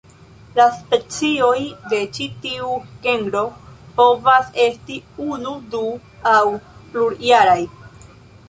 La specioj de ĉi tiu genro povas esti unu, du- aŭ plurjaraj.